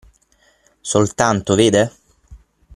Soltanto, vede?